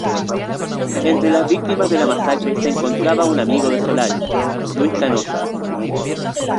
Entre las víctimas de la masacre se encontraba un amigo de Solari: Luis Canosa.